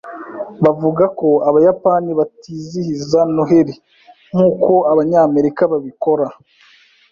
Bavuga ko abayapani batizihiza Noheri nkuko Abanyamerika babikora.